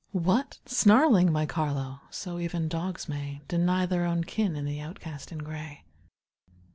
What! snarling, my Carlo! So even dogs may Deny their own kin in the outcast in gray.